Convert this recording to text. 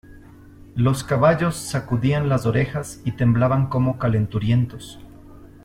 los caballos sacudían las orejas y temblaban como calenturientos.